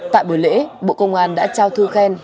tại buổi lễ bộ công an đã trao thư khen